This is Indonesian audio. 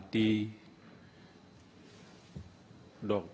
dr pak delia dahlan